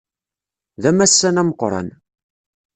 D amassan ameqqran.